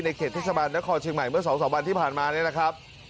ในเขตพฤศบาลละครชิงไหมเมื่อ๒๓วันที่ผ่านมานี้นะครับ